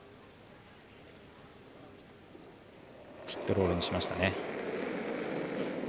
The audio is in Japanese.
ヒットロールにしましたね。